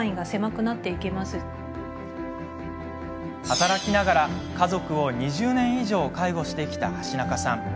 働きながら家族を２０年以上介護してきた橋中さん。